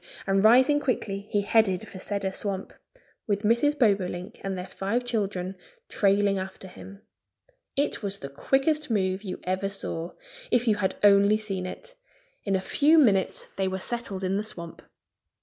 And rising quickly he headed for Cedar Swamp, with Mrs. Bobolink and their five children trailing after him. It was the quickest move you ever saw if you had only seen it! In a few minutes they were settled in the swamp.